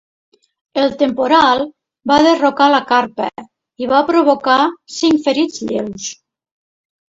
El temporal va derrocar la carpa i va provocar cinc ferits lleus.